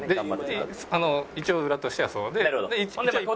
一応裏としてはそうで。